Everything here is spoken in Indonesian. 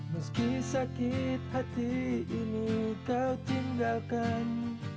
meski sakit hati ini kau tinggalkan